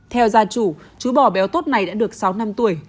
theo gia chủ chú bò béo tốt này đã được sáu năm tuổi